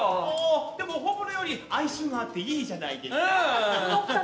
でも、本物より哀愁があっていいじゃないですか。